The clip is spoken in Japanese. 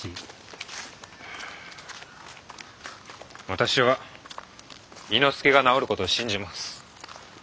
私は猪之助が治る事を信じます。